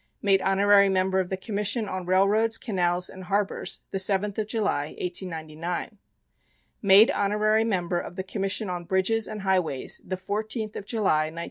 Made Honorary Member of the Commission on Railroads, Canals, and Harbors, the 7th of July, 1899. Made Honorary Member of the Commission on Bridges and Highways the 14th of July, 1900.